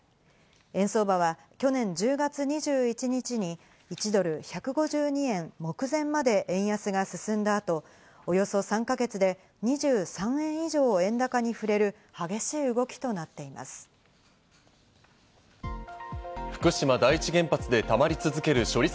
円相場は去年１０月２１日に１ドル＝１５２円目前まで円安が進んだ後、およそ３か月で２３円以上円高に振れる激しい動きとなっています。